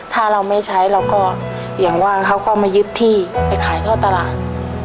ถ้าเราไม่ใช้เราก็อย่างว่าเขาก็มายึดที่ไปขายเข้าตลาด